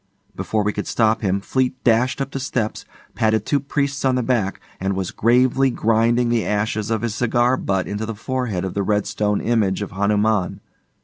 Before we could stop him, Fleete dashed up the steps, patted two priests on the back, and was gravely grinding the ashes of his cigar butt into the forehead of the red stone image of Hanuman.